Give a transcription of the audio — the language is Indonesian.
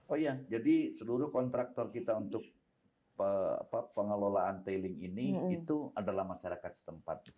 oh iya jadi seluruh kontraktor kita untuk pengelolaan tailing ini itu adalah masyarakat setempat